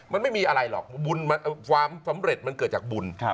มันไม่มีอะไรหรอกบุญความสำเร็จมันเกิดจากบุญ